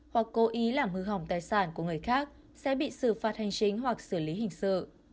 hoặc cố ý làm hư hỏng tài sản của người khác sẽ bị xử phạt hành chính hoặc xử lý hình sự